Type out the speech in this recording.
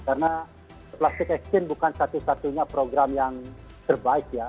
karena plastik eksin bukan satu satunya program yang terbaik ya